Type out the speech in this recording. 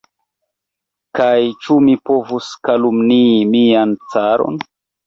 Kaj ĉu mi povus kalumnii mian caron?